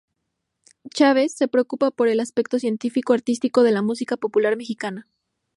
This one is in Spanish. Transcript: Chávez se preocupa por el aspecto científico-artístico de la música popular mexicana.